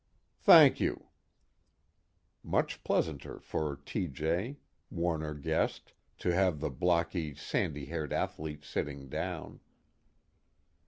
"Thank you." Much pleasanter for T.J., Warner guessed, to have the blocky sandy haired athlete sitting down.